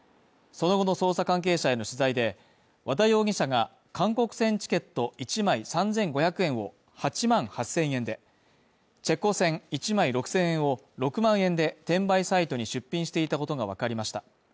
その後の捜査関係者への取材で和田容疑者が韓国戦チケット１枚３５００円を８万８０００円で、チェコ戦１枚６０００円を、６万円で転売サイトに出品していたことがわかりました。